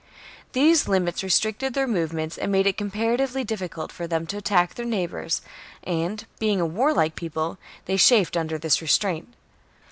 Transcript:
These Hmits restricted their movements and made it comparatively difficult for them to attack their neighbours ; and, being a warlike people, they chafed under this restraint.